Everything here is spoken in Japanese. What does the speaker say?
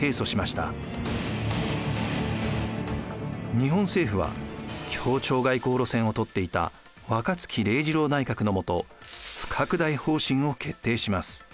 日本政府は協調外交路線を取っていた若槻礼次郎内閣のもと不拡大方針を決定します。